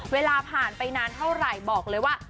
เวลาผ่านไปนานเท่าไหร่บอกเลยว่า